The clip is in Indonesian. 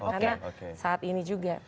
karena saat ini juga